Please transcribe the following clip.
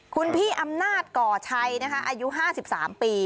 คุณพี่อำนาจก่อชัยนะคะอายุ๕๓ปี